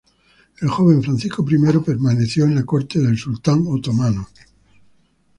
El joven Francesco I permaneció en la corte del sultán otomano.